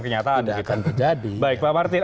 kenyataan akan terjadi baik pak martin